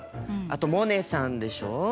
あとモネさんでしょう？